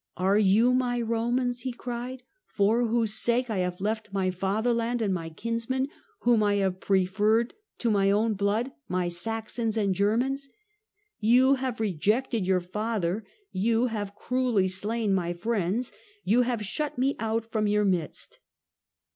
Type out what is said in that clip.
"Are you my Romans," he cried, " for whose sake I have left my fatherland and my kins men, whom I have preferred to my own blood, my Saxons and Germans ? You have rejected your father, you have cruelly slain my friends, you have shut me out from your midst."